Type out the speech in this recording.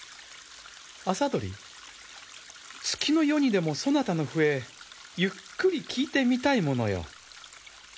麻鳥月の夜にでもそなたの笛ゆっくり聴いてみたいものよ。